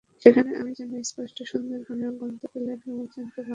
সেখানে আমি যেন স্পষ্ট সুন্দরবনের গন্ধ পেলাম এবং জ্যান্ত বাঘ দেখলাম।